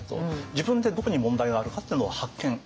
自分でどこに問題があるのかってのを発見。